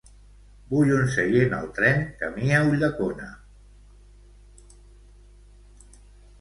Vull un seient al tren camí a Ulldecona.